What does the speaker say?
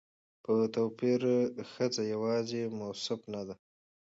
په توپير ښځه يواځې موصوف نه ده